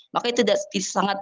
maka itu tidak disatukan